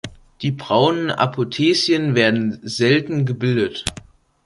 Die braunen Apothecien werden selten gebildet.